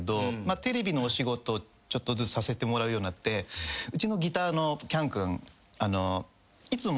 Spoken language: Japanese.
テレビのお仕事ちょっとずつさせてもらうようになってうちの。